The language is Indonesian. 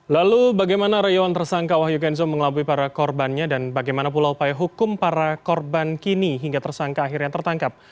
lalu bagaimana reyon tersangka wahyu kenzo mengelabui para korbannya dan bagaimana pula upaya hukum para korban kini hingga tersangka akhirnya tertangkap